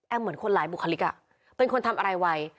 เหมือนคนหลายบุคลิกเป็นคนทำอะไรไว